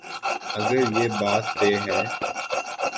اگر یہ بات طے ہے۔